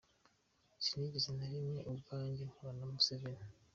Sinigeze na rimwe ubwanjye mpura na Museveni.